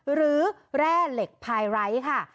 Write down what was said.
หรือแร่เหล็กพายไลท์ค่ะ